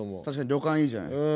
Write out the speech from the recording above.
確かに旅館いいじゃない。